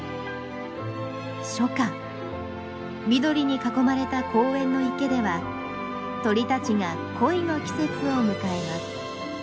初夏緑に囲まれた公園の池では鳥たちが恋の季節を迎えます。